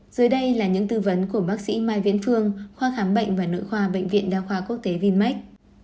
dưới đây là những tư vấn của bác sĩ mai tiến phương khoa khám bệnh và nội khoa bệnh viện đa khoa quốc tế vinmec